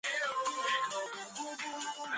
კარგად ითამაშეს ქართველმა მოჭადრაკეებმა.